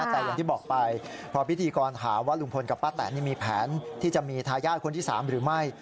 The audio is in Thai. แต่อย่างที่บอกไปพอพิธีกรถามว่าลุงพลกับป้าแตนนี่มีแผนที่จะมีทายาทคนที่๓หรือไม่